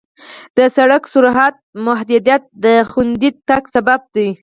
د سړک سرعت محدودیت د خوندي تګ سبب دی.